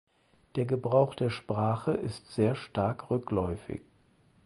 Der Gebrauch der Sprache ist sehr stark rückläufig.